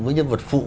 với nhân vật phụ